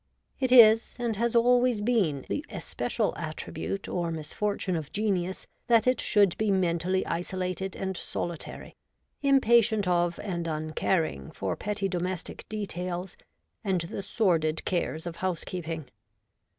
It is, and has always been, the especial attribute or misfortune of genius that it should be mentally isolated and solitary, impatient H 98 REVOLTED WOMAN. of and uncaring for petty domestic details and the sordid cares of housekeeping.